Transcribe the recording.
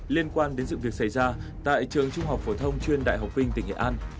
liên quan đến sự việc xảy ra tại trường trung học phổ thông chuyên đại học vinh tỉnh nghệ an